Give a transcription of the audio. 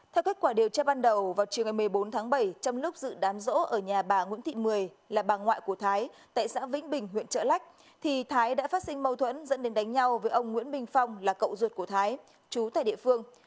theo kết quả điều tra ban đầu vào chiều ngày một mươi bốn tháng bảy trong lúc dự đám rỗ ở nhà bà nguyễn thị mười là bà ngoại của thái tại xã vĩnh bình huyện trợ lách thì thái đã phát sinh mâu thuẫn dẫn đến đánh nhau với ông nguyễn minh phong là cậu ruột của thái chú tại địa phương